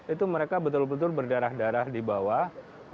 itu mereka betul betul berdarah darah di bawah